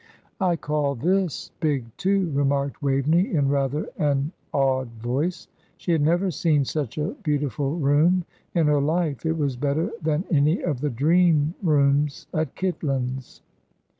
"I call this big, too," remarked Waveney, in rather an awed voice. She had never seen such a beautiful room in her life; it was better than any of the dream rooms at Kitlands.